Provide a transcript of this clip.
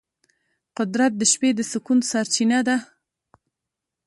قدرت د شپې د سکون سرچینه ده.